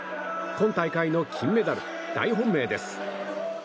今大会の金メダル、大本命です。